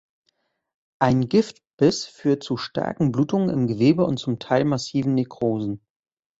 Ein Giftbiss führt zu starken Blutungen im Gewebe und zum Teil massiven Nekrosen.